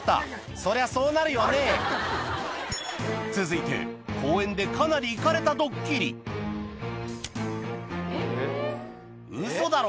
そりゃそうなるよね続いて公園でかなりイカレたドッキリウソだろ